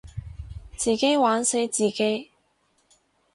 自己玩死自己